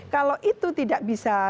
kalau itu tidak bisa